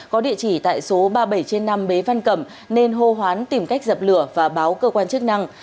có địa chỉ tại số ba mươi bảy trên năm bế văn cẩm nên hô hoán tìm cách dập lửa và báo cơ quan chức năng